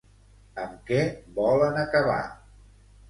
Amb què volen acabar?